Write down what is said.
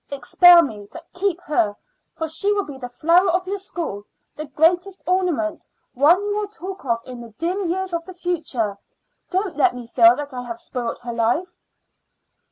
Expel me, but keep her, for she will be the flower of your school, the greatest ornament, one you will talk of in the dim years of the future. Don't let me feel that I have spoilt her life."